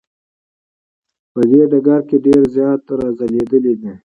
په دې ډګر کې ډیر زیات را ځلیدلی دی.